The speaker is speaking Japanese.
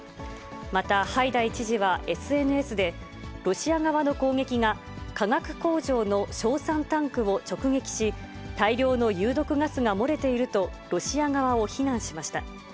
また、ハイダイ知事はＳＮＳで、ロシア側の攻撃が化学工場の硝酸タンクを直撃し、大量の有毒ガスが漏れていると、ロシア側を非難しました。